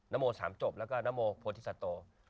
โม๓จบแล้วก็นโมโพธิสโต